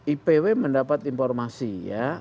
ipw mendapat informasi ya